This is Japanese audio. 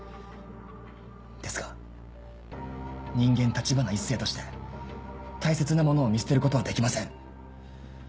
ですが人間橘一星として大切なものを見捨てることはできません。